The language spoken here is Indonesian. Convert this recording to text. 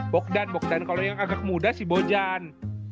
bogdan bogdan kalo yang agak muda si bojan